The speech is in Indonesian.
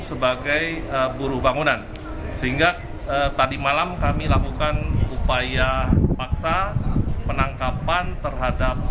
sebagai buru bangunan sehingga tadi malam kami lakukan upaya paksa penangkapan terhadap